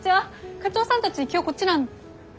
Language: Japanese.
課長さんたち今日こっちなん。